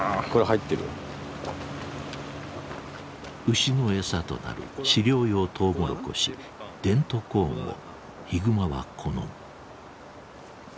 牛の餌となる飼料用トウモロコシデントコーンをヒグマは好む。